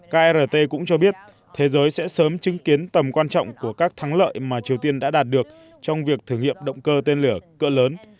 krt cũng cho biết thế giới sẽ sớm chứng kiến tầm quan trọng của các thắng lợi mà triều tiên đã đạt được trong việc thử nghiệm động cơ tên lửa cỡ lớn